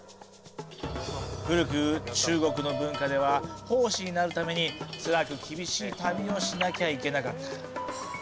古く中国の文化では法師になるためにつらく厳しい旅をしなきゃいけなかった。